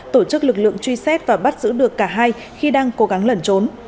tổ chức lực lượng truy xét và bắt giữ được cả hai khi đang cố gắng lẩn trốn